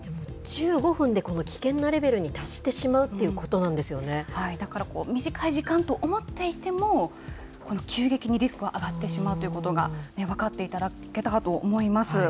１５分でこの危険なレベルに達してしまうっていうことなんでだから短い時間と思っていても、この急激にリスクが上がってしまうということが分かっていただけたかと思います。